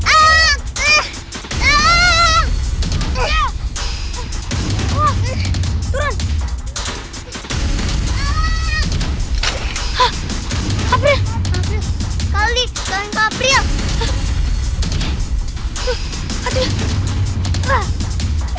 apriah kau lihat kau ingin ke apriah